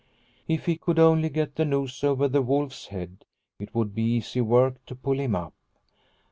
If he could only get the noose over the wolf's head, it would be easy work to pull him up.